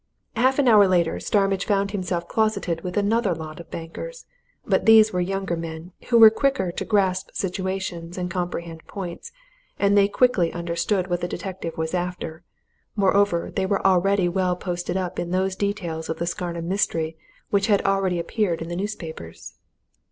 Half an hour later, Starmidge found himself closeted with another lot of bankers. But these were younger men, who were quicker to grasp situations and comprehend points, and they quickly understood what the detective was after: moreover, they were already well posted up in those details of the Scarnham mystery which had already appeared in the newspapers.